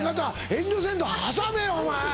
遠慮せんと挟めよお前！